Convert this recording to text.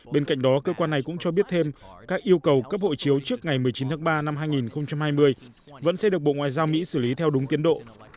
bên cạnh đó cơ quan này cũng cho biết thêm các yêu cầu cấp hộ chiếu trước ngày một mươi chín tháng ba năm hai nghìn hai mươi vẫn sẽ được bộ ngoại giao mỹ xử lý theo đúng tiến độ